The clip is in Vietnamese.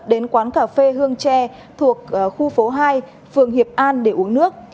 đến quán cà phê hương tre thuộc khu phố hai phường hiệp an để uống nước